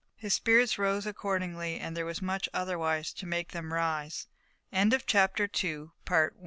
His spirits rose accordingly and there was much otherwise to make them rise. It was like Heaven to be on